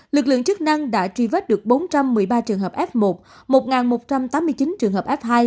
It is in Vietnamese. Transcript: lực lượng chức năng đã truy vết được bốn trăm một mươi ba trường hợp f một một trăm tám mươi chín trường hợp f hai